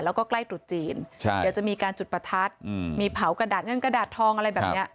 แล้วก็ใกล้ตรุษจีนเดี๋ยวจะมีการจุดประทัดมีเผากระดาษเงินกระดาษทองอะไรแบบนี้